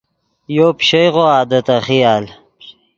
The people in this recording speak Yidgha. یو پیشئیغوآ دے تے خیال